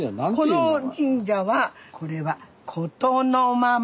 この神社はこれはスタジオことのまま！